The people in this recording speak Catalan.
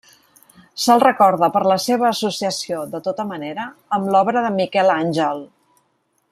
Se'l recorda per la seva associació -de tota manera- amb l'obra de Miquel Àngel.